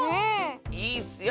いいッスよ！